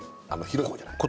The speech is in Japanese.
広いほうじゃない？